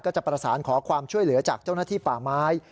จะประสานขอความช่วยเหลือจากเจ้าหน้าที่ป่าไม้